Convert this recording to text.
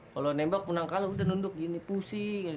kalau nembak menang kalah udah nunduk gini pusing